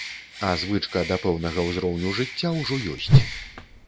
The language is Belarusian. А звычка да пэўнага ўзроўню жыцця ўжо ёсць.